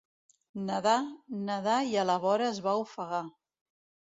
Nedar, nedar i a la vora es va ofegar.